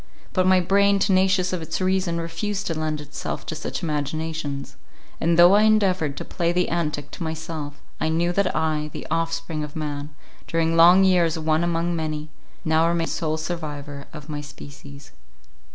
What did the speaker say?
But my brain, tenacious of its reason, refused to lend itself to such imaginations—and though I endeavoured to play the antic to myself, I knew that I, the offspring of man, during long years one among many—now remained sole survivor of my species.